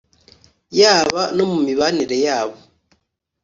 yaba no mu mibanire yabo